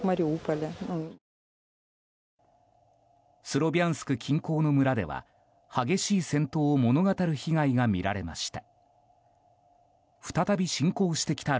スロビャンスク近郊の村では激しい戦闘を物語る被害が見られました。